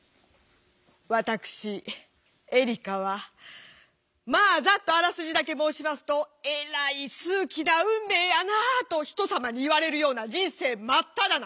ワタクシエリカはまぁざっとあらすじだけ申しますとえらい数奇な運命やなぁと人様に言われるような人生真っただ中。